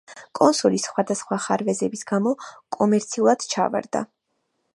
კონსოლი სხვადასხვა ხარვეზების გამო კომერციულად ჩავარდა.